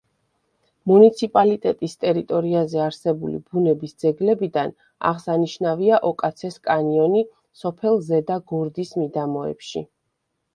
მუნიციპალიტეტის ტერიტორიაზე არსებული ბუნების ძეგლებიდან აღსანიშნავია ოკაცეს კანიონი სოფელ ზედა გორდის მიდამოებში.